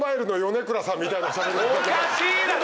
おかしいだろ！